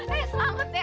eh sanget ya